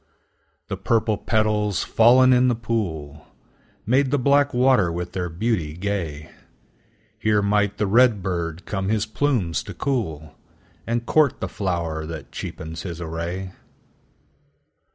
The purple petals, fallen in the pool, Made the black water with their beauty gay; Here might the red bird come his plumes to cool, And court the flower that cheapens his array.